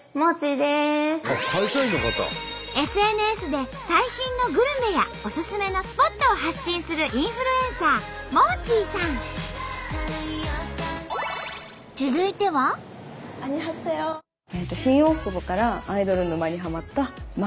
ＳＮＳで最新のグルメやオススメのスポットを発信するインフルエンサーアンニョンハセヨ。